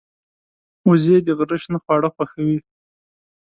وزې د غره شنه خواړه خوښوي